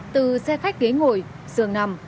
từ xe khách ghế ngồi xường nằm